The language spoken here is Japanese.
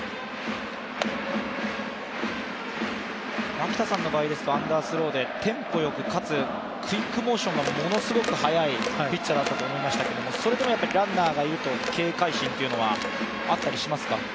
牧田さんの場合アンダースローでテンポよく、かつクイックモーションがものすごく速い投手だったと思いますけれども、それでもランナーがいると警戒心というのはあったりしますか？